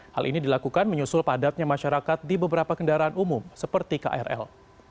hal ini dilakukan menyusul padatnya masyarakat di beberapa kendaraan umum seperti krl